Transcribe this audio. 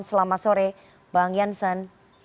selamat sore bang janssen